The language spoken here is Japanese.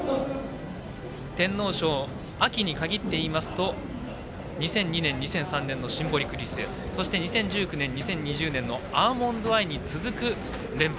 天皇賞にかぎって言いますと２００２年、２００３年のシンボリクリスエスそして２０１９年、２０２０年のアーモンドアイに続く連勝。